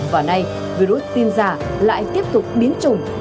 và nay virus tin giả lại tiếp tục biến chủng